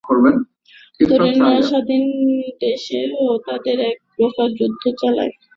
তরুণরা স্বাধীন দেশেও তাদের এক প্রকারের যুদ্ধ চালায়।